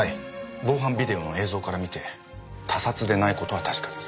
防犯ビデオの映像から見て他殺でない事は確かです。